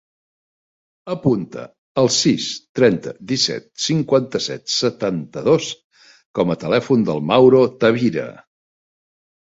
Apunta el sis, trenta, disset, cinquanta-set, setanta-dos com a telèfon del Mauro Tavira.